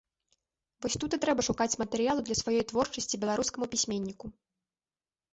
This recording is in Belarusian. Вось тут і трэба шукаць матэрыялу для сваёй творчасці беларускаму пісьменніку.